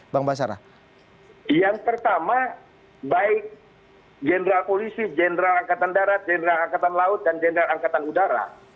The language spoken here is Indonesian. bang basara yang pertama baik general polisi jenderal angkatan darat jenderal angkatan laut dan jenderal angkatan udara